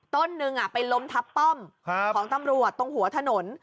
ต้นหนึ่งไปล้มทับป้อมของตำรวจตรงหัวถนน